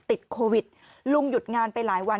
ติดโควิดลุงหยุดงานไปหลายวัน